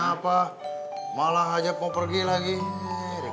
apa malah ajak mau pergi lagi kamu sini